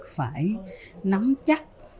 phải nắm chắc